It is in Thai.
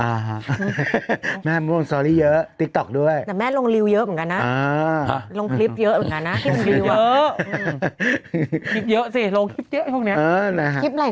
่ายังไงในติ๊กต๊อกเนี่ยเจอพี่มดดำไลฟ์อยู่ที่บ้านเลย